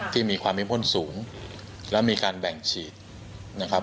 ที่มีความเมพ่นสูงแล้วมีการแบ่งฉีดนะครับ